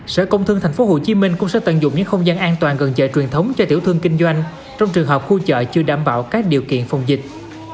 sở công thương thành phố hồ chí minh cũng sẽ tận dụng những không gian an toàn gần chợ truyền thống cho tiểu thương kinh doanh trong trường hợp khu chợ chưa đảm bảo các điều kiện phòng dịch